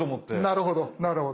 なるほどなるほど。